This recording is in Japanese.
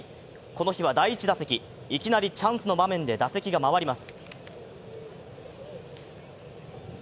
この日は第１打席いきなりチャンスの場面で打席が回ります。